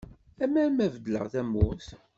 Amar ma beddleɣ tamurt.